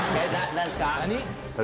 何ですか？